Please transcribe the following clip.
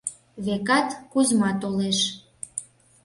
— Векат, Кузьма толеш!..